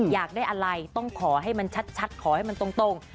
อยากได้อะไรต้องขอให้มันชัดขอให้มันตรง